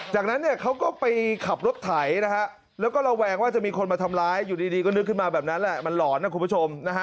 จากนั้นเนี่ยเขาก็ไปขับรถไถนะฮะแล้วก็ระแวงว่าจะมีคนมาทำร้ายอยู่ดีก็นึกขึ้นมาแบบนั้นแหละมันหลอนนะคุณผู้ชมนะฮะ